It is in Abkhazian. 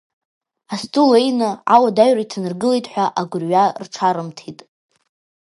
Асду, леины ауадаҩра иҭанаргылеит ҳәа агәрҩа рҽарымҭеит.